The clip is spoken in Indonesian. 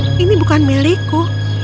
taman ini bukan milikku